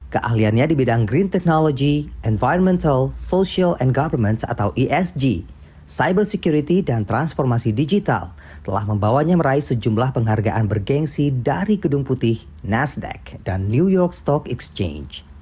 keahliannya di bidang green technology environmental social and government atau esg cyber security dan transformasi digital telah membawanya meraih sejumlah penghargaan bergensi dari gedung putih nasdaq dan new york stock exchange